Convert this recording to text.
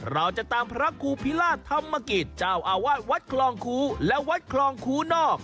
เราจะตามพระครูพิราชธรรมกิจเจ้าอาวาสวัดคลองคูและวัดคลองคูนอก